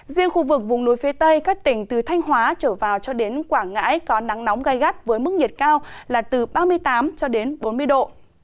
riêng khu vực vùng núi phía tây các tỉnh từ thanh hóa trở vào cho đến quảng ngãi có nắng nóng gai gắt với mức nhiệt cao là từ ba mươi tám cho đến bốn mươi độ